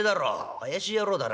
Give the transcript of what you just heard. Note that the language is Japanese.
怪しい野郎だな。